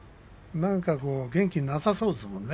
なんか元気なさそうですもんね